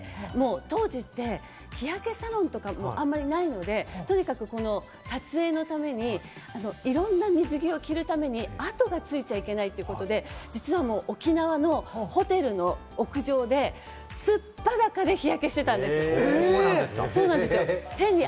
当時で日焼けサロンもあまりないので、とにかく撮影のためにいろんな水着を着るために、あとがついちゃいけないということで、実は沖縄のホテルの屋上でそうなんですか！